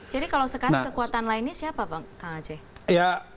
jadi kalau sekarang kekuatan lainnya siapa bang